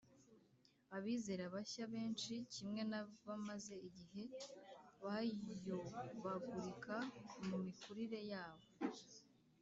abizera bashya benshi (kimwe n'abamaze igihe) bayobagurika mu mikurire yabo